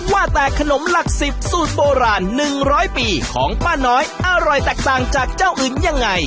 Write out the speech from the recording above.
ว่าแต่ขนมหลัก๑๐สูตรโบราณ๑๐๐ปีของป้าน้อยอร่อยแตกต่างจากเจ้าอื่นยังไง